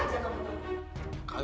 yang keuntung aja kamu tuh